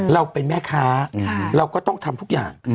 เราเป็นแม่ค้าเราก็ต้องทำทุกอย่าง